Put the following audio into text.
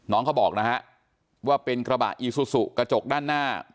เขาบอกนะฮะว่าเป็นกระบะอีซูซูกระจกด้านหน้า